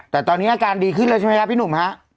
แต่ตอนนี้อาการดีขึ้นแล้วใช่ไหมครับพี่หนุ่มฮะ